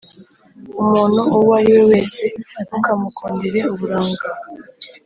Umuntu uwo ari we wese ntukamukundire uburanga,